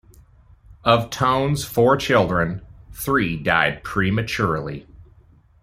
Of Tone's four children, three died prematurely.